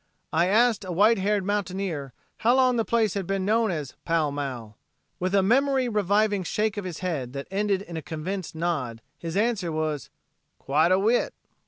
I asked a white haired mountaineer how long the place had been known as Pall Mall. With a memory reviving shake of his head that ended in a convinced nod, his answer was, "quite a whit."